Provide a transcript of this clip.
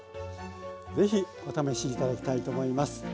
ぜひお試し頂きたいと思います。